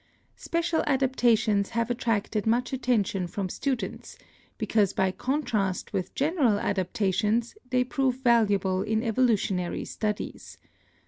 Special adaptations have attracted much attention from students because by contrast with general adaptations they prove valuable in evolutionary studies.